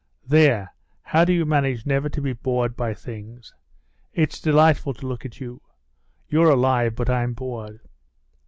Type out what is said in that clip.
"There, how do you manage never to be bored by things? It's delightful to look at you. You're alive, but I'm bored."